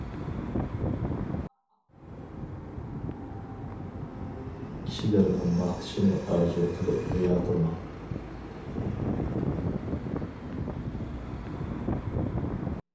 كىشىلەرنىڭ ماختىشىنى ئارزۇ قىلىپ رىيا قىلماڭ!